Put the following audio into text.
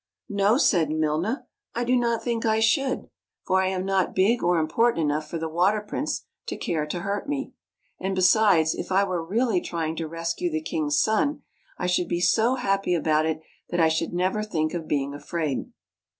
" No," said Milna, " I do not think I should, for I am not big or important enough for the Water Prince to care to hurt me. And besides, if I were really trying to rescue the king's son, I should be so happy about it that I should never think of being afraid."